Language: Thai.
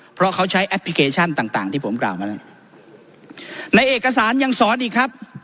เพราะเขาใช้แอปพลิเคชันต่างต่างที่ผมกล่าวมานั่นในเอกสารยังสอนอีกครับ